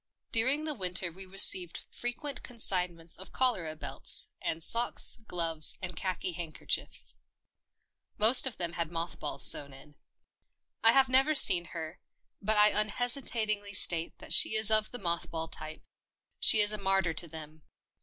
During the winter we received fre quent consignments of cholera belts and socks, gloves and khaki handkerchiefs. Most of them had moth balls sewn in. I have never seen her, but I unhesitatingly state that she is of the moth ball type — she is a martyr to them.